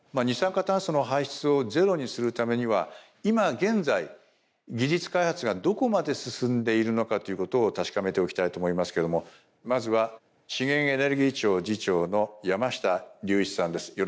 二酸化炭素の排出をゼロにするためには今現在技術開発がどこまで進んでいるのかということを確かめておきたいと思いますけれどもまずは資源エネルギー庁次長の山下隆一さんです。